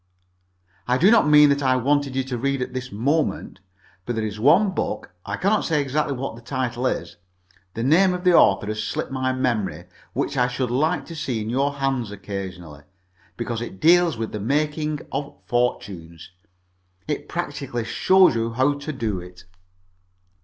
"I did not mean that I wanted you to read at this moment. But there is one book I cannot say exactly what the title is, and the name of the author has slipped my memory, which I should like to see in your hands occasionally, because it deals with the making of fortunes. It practically shows you how to do it."